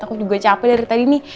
aku juga capek dari tadi nih